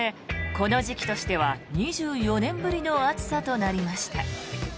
この時期としては２４年ぶりの暑さとなりました。